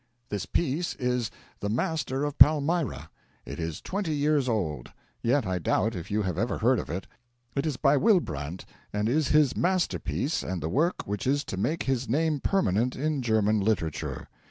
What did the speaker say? This piece is 'The Master of Palmyra.' It is twenty years old; yet I doubt if you have ever heard of it. It is by Wilbrandt, and is his masterpiece and the work which is to make his name permanent in German literature.